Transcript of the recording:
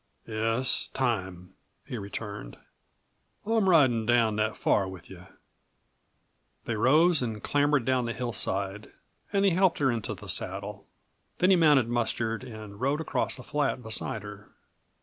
"Yes, time," he returned. "I'm ridin' down that far with you." They rose and clambered down the hillside and he helped her into the saddle. Then he mounted Mustard and rode across the flat beside her.